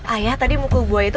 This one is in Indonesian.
ayah tadi mukul buah itu